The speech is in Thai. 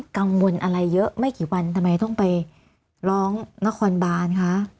กังวลอะไรเยอะไม่กี่วันทำไมต้องไปร้องนครบานคะ